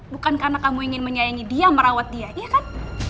bukan karena kamu ingin menyayangi dia merawat dia iya kan